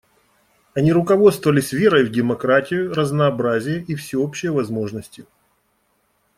Они руководствовались верой в демократию, разнообразие и всеобщие возможности.